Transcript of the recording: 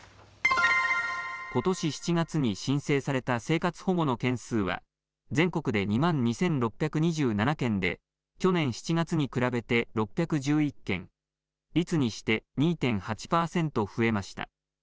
ことし７月に申請された生活保護の件数は全国で２万２６２７件で去年７月に比べて６１１件、率にして２．８％増えました。